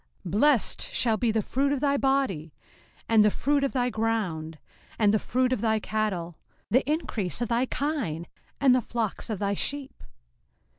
05:028:004 Blessed shall be the fruit of thy body, and the fruit of thy ground, and the fruit of thy cattle, the increase of thy kine, and the flocks of thy sheep.